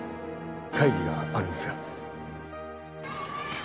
会議があるんですが。